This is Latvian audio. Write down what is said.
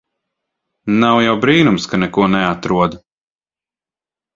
Nav jau brīnums ka neko neatrod.